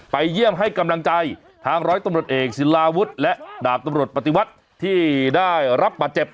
เยี่ยมให้กำลังใจทางร้อยตำรวจเอกศิลาวุฒิและดาบตำรวจปฏิวัติที่ได้รับบาดเจ็บ